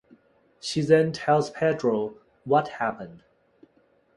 She then tells Pedro what happened.